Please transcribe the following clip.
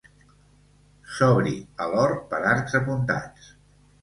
S'obri a l'hort per arcs apuntats.